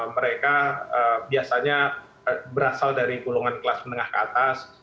mereka biasanya berasal dari golongan kelas menengah ke atas